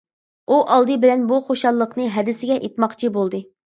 ئۇ ئالدى بىلەن بۇ خۇشاللىقنى ھەدىسىگە ئېيتماقچى بولدى.